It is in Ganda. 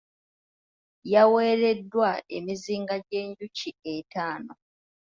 Yaweereddwa emizinga gy'enjuki ettaano .